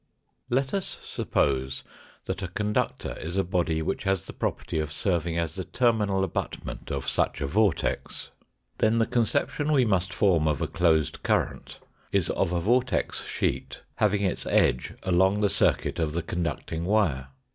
Let us suppose that a conductor is a body which has the property of serving as the terminal abutment of such a vortex. Then the conception we must form of a closed current is of a vortex sheet having its edge along the circuit of the conducting wire.